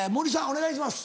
お願いします。